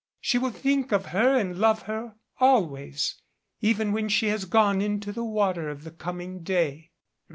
She will think of her and love her always even when she has gone into the water of the coming day."